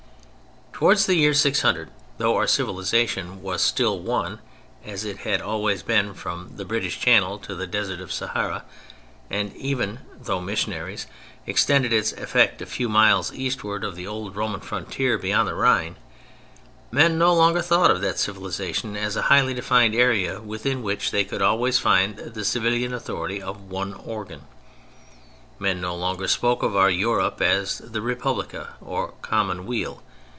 Towards the year 600, though our civilization was still one, as it had always been, from the British Channel to the Desert of Sahara, and even (through missionaries) extended its effect a few miles eastward of the old Roman frontier beyond the Rhine, men no longer thought of that civilization as a highly defined area within which they could always find the civilian authority of one organ. Men no longer spoke of our Europe as the Respublica or "common weal."